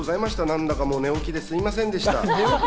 何だか寝起きですみませんでした。